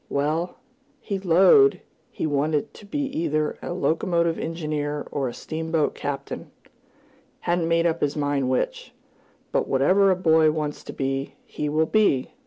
Well, he "'lowed" he wanted to be either a locomotive engineer or a steamboat captain hadn't made up his mind which. "But whatever a boy wants to be, he will be!"